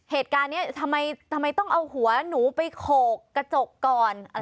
เหตุการณ์นี้ทำไมต้องเอาหัวหนูไปโขกกระจกก่อน